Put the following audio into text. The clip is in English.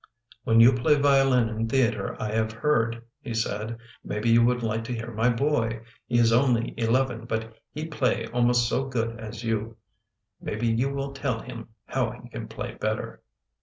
" When you play violin in theater I have heard," he said. " Maybe you would like to hear my boy. He is only eleven but he play almost so good as you. Maybe you will tell him how he can play better."